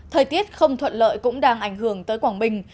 thời tiết không thuận lợi cũng đang ảnh hưởng tới quảng bình